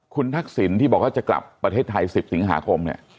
คุณทักษิณที่บอกว่าจะกลับประเทศไทย๑๐สิงหาคมเนี่ย